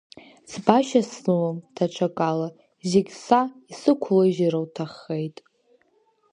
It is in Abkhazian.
Ӡбашьа сымам даҽакала, зегь са исықәлыжьыр лҭаххеит!